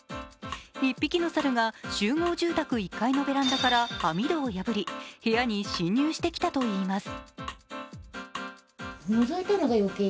１匹の猿が集合住宅１階のベランダから網戸を破り部屋に侵入してきたといいます。